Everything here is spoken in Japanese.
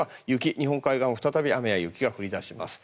日本海側も再び雨や雪が降りだします。